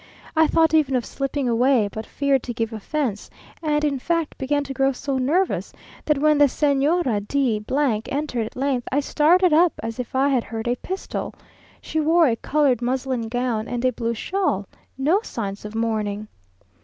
I thought even of slipping away, but feared to give offence, and in fact began to grow so nervous, that when the Señora de entered at length, I started up as if I had heard a pistol. She wore a coloured muslin gown and a blue shawl; no signs of mourning!